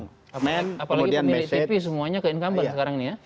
apalagi pemilik tv semuanya ke incumbent sekarang ini ya